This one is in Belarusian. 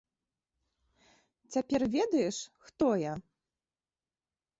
Цяпер ведаеш, хто я?